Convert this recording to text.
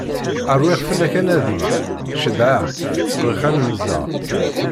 Ṛwiɣ fell-ak anadi, cedheɣ-k, bɣiɣ ad nemmẓer.